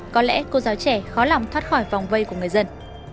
có lẽ cô giáo trẻ khó lòng thoát khỏi vòng vây của người dân